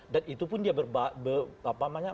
dan itu pun dia berapa namanya